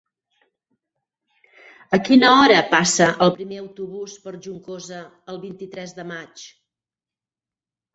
A quina hora passa el primer autobús per Juncosa el vint-i-tres de maig?